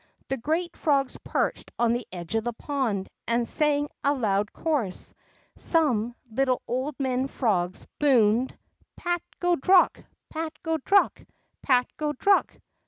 The great frogs perched on the edge of the pond, and sang a loud chorus. Some little old men frogs boomed, Pat go drook ! Pat go drook ! Pat go drook